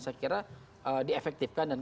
saya kira diefektifkan dan